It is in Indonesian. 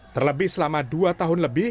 terlebih selama dua tahun lebih